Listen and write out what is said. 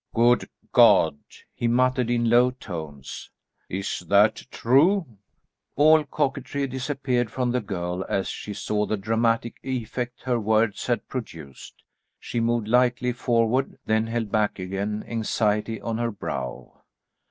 "Good God!" he muttered in low tones, "is that true?" All coquetry disappeared from the girl as she saw the dramatic effect her words had produced. She moved lightly forward, then held back again, anxiety on her brow.